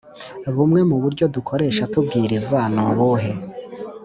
Bumwe mu buryo dukoresha tubwiriza ni ubuhe?